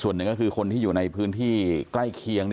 ส่วนหนึ่งก็คือคนที่อยู่ในพื้นที่ใกล้เคียง